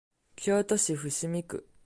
京都市伏見区